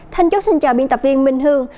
thanh chúc xin chào biên tập viên minh hương